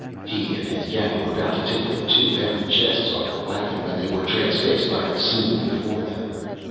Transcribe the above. He and his gang were about to take the two heavy chests off the wagon when they were transfixed by a scene before them.